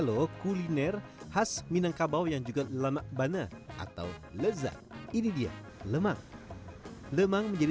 loh kuliner khas minangkabau yang juga lemak bana atau lezat ini dia lemak lemang menjadi